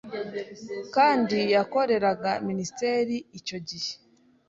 kandi yarakoreraga Ministeri, icyo gihe